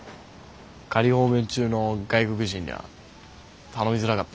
仮放免中の外国人には頼みづらかった？